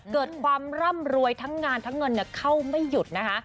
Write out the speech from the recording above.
เกิดความร่ำรวยทั้งงานทั้งเงินเข้าไม่หยุดนะคะ